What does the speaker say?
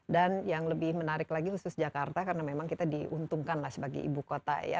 dan yang lebih menarik lagi khusus jakarta karena memang kita diuntungkan lah sebagai ibu kota ya